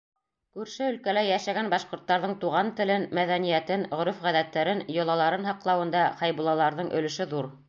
Күрше өлкәлә йәшәгән башҡорттарҙың туған телен, мәҙәниәтен, ғөрөф-ғәҙәттәрен, йолаларын һаҡлауында хәйбуллаларҙың өлөшө ҙур.